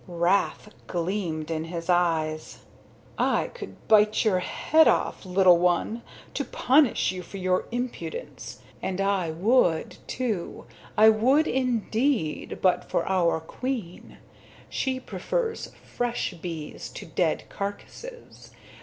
Wrath gleamed in his eyes. "I could bite your head off, little one, to punish you for your impudence. And I would, too, I would indeed, but for our queen. She prefers fresh bees to dead carcasses.